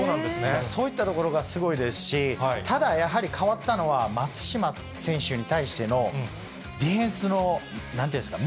そういったところがすごいですし、ただ、やはり変わったのは、松島選手に対してのディフェンスのなんていうんですか、